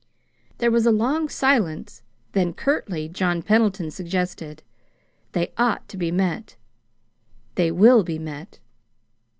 There was a long silence, then, curtly, John Pendleton suggested: "They ought to be met." "They will be met."